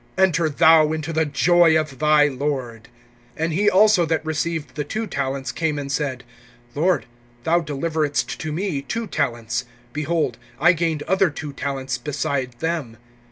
Enter thou into the joy of thy lord. (22)And he also that received the two talents came and said: Lord, thou deliveredst to me two talents; behold, I gained other two talents beside them.